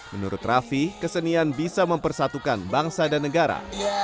menurut raffi kesenian bisa mempersatukan bangsa dan negara